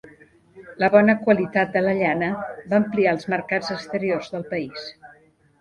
La bona qualitat de la llana va ampliar els mercats exteriors del país.